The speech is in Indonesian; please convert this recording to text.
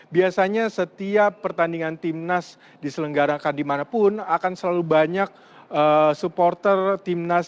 biasanya setiap pertandingan timnas diselenggarakan dimanapun akan selalu banyak supporter timnas